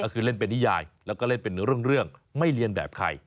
ก็คือเล่นเป็นนิยายแล้วก็เล่นเป็นเรื่องไม่เรียนแบบใคร